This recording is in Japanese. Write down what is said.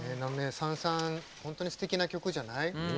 本当にすてきな曲じゃない。